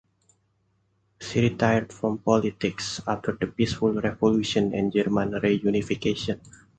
She retired from politics after the Peaceful Revolution and German reunification.